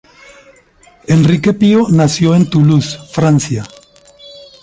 Enrique Pío nació en Toulouse, Francia.